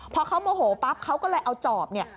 เพราะเขาโมโหปั๊บเขาก็เอาจอบเนี่ย